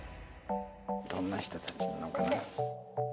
どんな人たちなのかな？